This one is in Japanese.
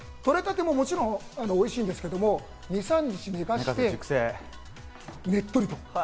とれたてもおいしいんですけど２３日寝かせてねっとりと。